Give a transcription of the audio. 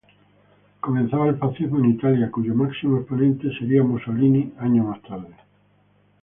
Comenzaba el fascismo en Italia, cuyo máximo exponente sería Mussolini años más tarde.